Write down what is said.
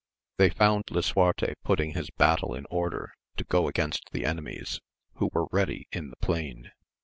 They found Lisuarte putting his battle in order to go against the enemies, who were ready in the plain.